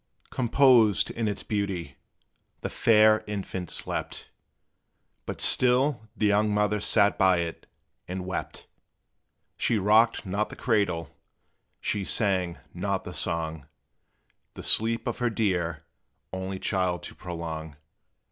Composed in its beauty, the fair infant slept; But still the young mother sat by it and wept: She rocked not the cradle, she sang not the song, The sleep of her dear, only child to prolong.